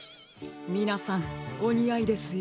みなさんおにあいですよ。